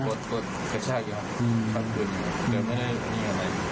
ถ้าก็กระเช่งจระ